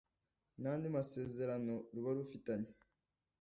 N andi masezerano ruba rufitanye